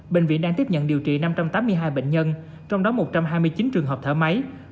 bệnh viện đang tiếp nhận điều trị năm trăm tám mươi hai bệnh nhân trong đó một trăm hai mươi chín trường hợp thở máy